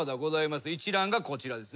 一覧がこちらですね。